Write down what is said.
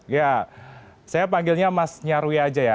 ya saya panggilnya mas nyarwi aja ya